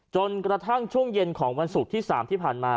จนกระทั่งช่วงเย็นของวันศุกร์ที่๓ที่ผ่านมา